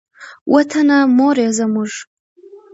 وطنه مور یې زموږ.